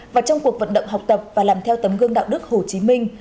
và trong cuộc vận động học tập và làm theo tấm gương đạo đức hồ chí minh